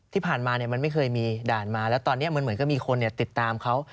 ที่ผ่านมามันไม่เคยมีด่านมาแล้วตอนนี้มันเหมือนก็มีคนติดตามเขา